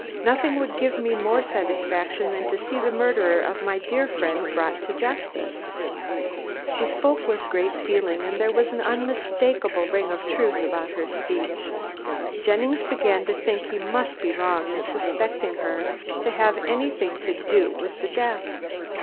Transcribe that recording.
Nothing would give me more satisfaction than to see the murderer of my dear friend brought to justice." She spoke with great feeling, and there was an unmistakable ring of truth about her speech. Jennings began to think he must be wrong in suspecting her to have anything to do with the death.